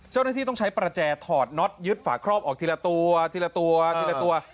เจ้าหน้าที่ต้องใช้ประแจถอดน็อตยึดฝาครอบออกทีละตัวทีละตัวทีละตัว